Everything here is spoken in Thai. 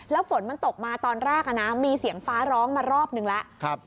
แล้วฝนมันตกมาตอนแรกมีเสียงฟ้าร้องมารอบนึงแล้ว